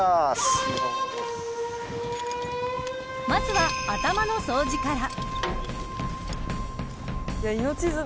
まずは頭の掃除から。